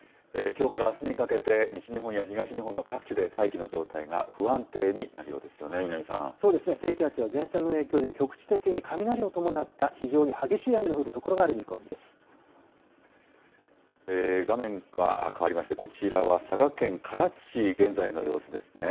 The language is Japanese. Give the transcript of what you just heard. きょうからあすにかけて、西日本や東日本の各地で大気の状態が不安定になるようですよね、そうですね、低気圧や前線の影響で、局地的に雷を伴った非常に激しい雨の降る所がある見込み画面が変わりまして、こちらは、佐賀県唐津市、現在の様子ですね。